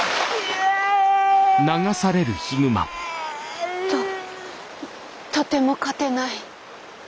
わあ！ととても勝てない。